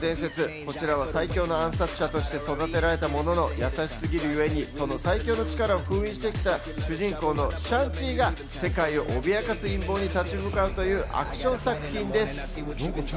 こちらは最強の暗殺者として育てられたものの優しすぎるゆえに、その最強の力を封印してきた主人公のシャン・チーが世界を脅かす陰謀に立ち向かうというアクション作品です。